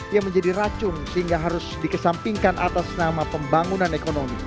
yang menjadi racun sehingga harus dikesampingkan atas nama pembangunan ekonomi